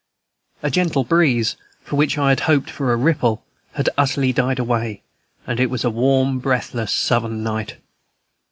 A gentle breeze, from which I had hoped for a ripple, had utterly died away, and it was a warm, breathless Southern night.